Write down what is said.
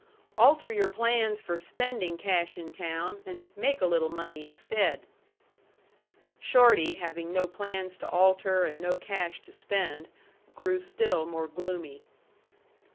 "Alter your plans for spending cash in town, and make a little money instead." Shorty having no plans to alter and no cash to spend, grew still more gloomy.